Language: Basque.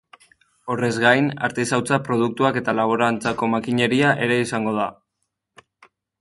Horrez gain, artisautza produktuak eta laborantzako makineria ere izango da.